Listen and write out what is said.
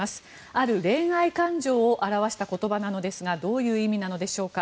ある恋愛感情を表した言葉なのですがどういう意味なのでしょうか。